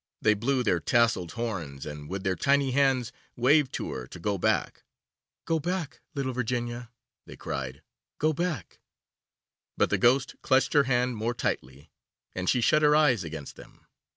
They blew their tasselled horns and with their tiny hands waved to her to go back. 'Go back! little Virginia,' they cried, 'go back!' but the Ghost clutched her hand more tightly, and she shut her eyes against them.